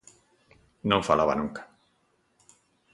Non falaba nunca: